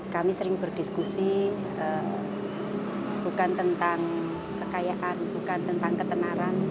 kami sering berdiskusi bukan tentang kekayaan bukan tentang ketenaran